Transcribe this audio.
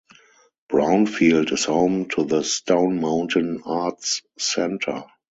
Brownfield is home to the Stone Mountain Arts Center.